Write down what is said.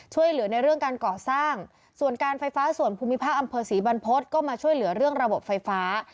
ช่วยเหลือในเรื่องการก่อสร้างส่วนการไฟฟ้าส่วนภูมิภาคอำเภอศรีบรรพฤษก็มาช่วยเหลือเรื่องระบบไฟฟ้า